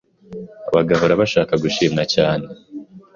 bagahora bashaka gushimwa cyane